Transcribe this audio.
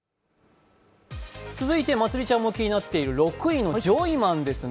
続いて、まつりちゃんも気になっている６位のジョイマンです。